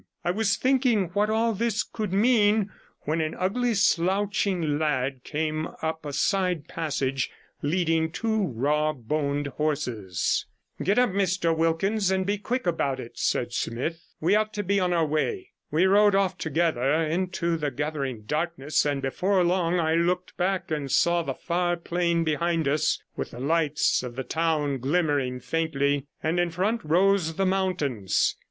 I was thinking what all this could mean when an ugly, slouching lad came up a side passage, leading two raw boned horses. 'Get up, Mr Wilkins, and be quick about it,' said Smith; 'we ought to be on our way.' We rode off together into the gathering darkness and before long I looked back and saw the far plain behind us, with the lights of the town glimmering faintly; and in front rose the mountains.